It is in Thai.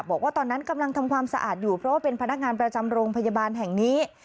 บอกว่าตอนนั้นกำลังทำความสะอาดอยู่เพราะว่าเป็นพนักงานประจำโรงพยาบาลแห่งนี้